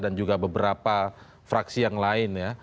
dan juga beberapa fraksi yang lain ya